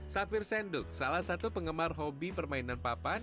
safir senduk salah satu penggemar hobi permainan papan